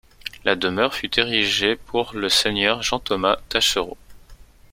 La demeure fut érigée pour le seigneur Jean-Thomas Taschereau.